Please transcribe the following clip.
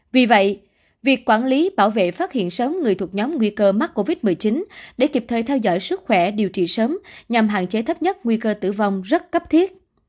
vì vậy việc quản lý bảo vệ phát hiện sớm người thuộc nhóm nguy cơ mắc covid một mươi chín để kịp thời theo dõi sức khỏe điều trị sớm nhằm hạn chế thấp nhất nguy cơ tử vong rất cấp thiết